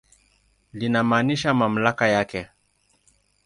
Linamaanisha mamlaka yake.